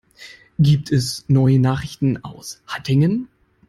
Gibt es neue Nachrichten aus Hattingen?